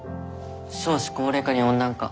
少子高齢化に温暖化。